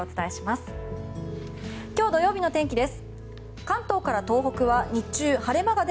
明日、日曜日の天気です。